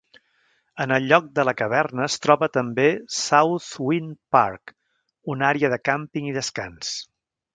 En el lloc de la caverna es troba també "Southwind Park", una àrea de càmping i descans.